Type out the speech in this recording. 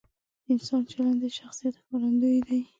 د انسان چلند د شخصیت ښکارندوی دی.